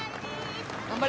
頑張れ。